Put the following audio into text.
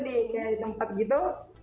di tempat gitu